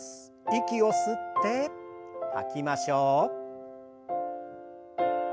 息を吸って吐きましょう。